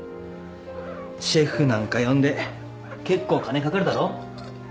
シェフなんか呼んでけっこう金かかるだろ。